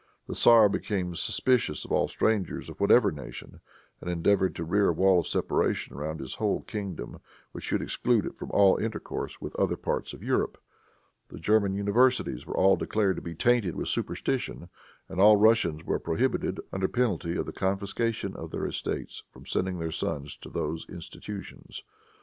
The tzar became suspicious of all strangers of whatever nation, and endeavored to rear a wall of separation around his whole kingdom which should exclude it from all intercourse with other parts of Europe. The German universities were all declared to be tainted with superstition, and all Russians were prohibited, under penalty of the confiscation of their estates, from sending their sons to those institutions.